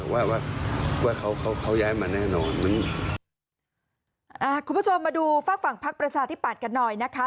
ว่าว่าเขาเขาย้ายมาแน่นอนอ่าคุณผู้ชมมาดูฝากฝั่งพักประชาธิปัตย์กันหน่อยนะคะ